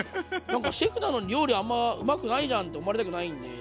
なんかシェフなのに料理あんまうまくないじゃんって思われたくないんで。